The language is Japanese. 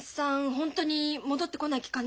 ホントに戻ってこない気かな。